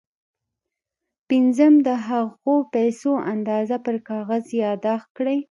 پنځم د هغو پيسو اندازه پر کاغذ ياداښت کړئ.